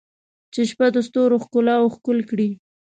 چې شپه د ستورو ښکالو ښکل کړي